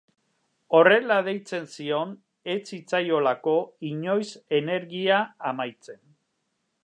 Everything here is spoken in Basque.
Horrela deitzen zion ez zitzaiolako inoiz energia amaitzen.